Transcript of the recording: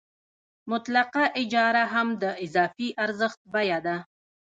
مطلقه اجاره هم د اضافي ارزښت بیه ده